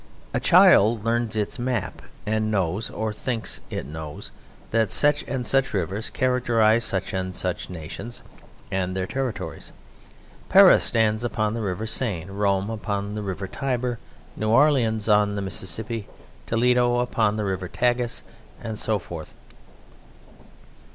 A child learns its map and knows, or thinks it knows, that such and such rivers characterize such and such nations and their territories. Paris stands upon the River Seine, Rome upon the River Tiber, New Orleans on the Mississippi, Toledo upon the River Tagus, and so forth.